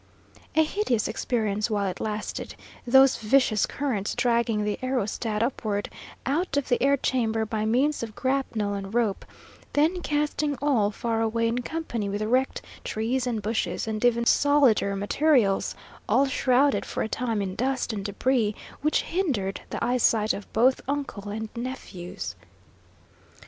A hideous experience while it lasted, those vicious currents dragging the aerostat upward out of the air chamber by means of grapnel and rope, then casting all far away in company with wrecked trees and bushes, and even solider materials, all shrouded for a time in dust and debris, which hindered the eyesight of both uncle and nephews.